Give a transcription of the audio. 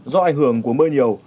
do ảnh hưởng của mưa nhiều